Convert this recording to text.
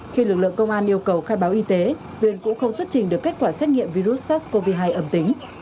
khi lực lượng công an yêu cầu khai báo y tế huyện cũng không xuất trình được kết quả xét nghiệm virus sars cov hai âm tính